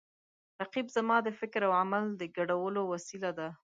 رقیب زما د فکر او عمل د ګډولو وسیله ده